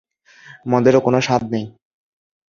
মদেরও কোন স্বাদ নেই।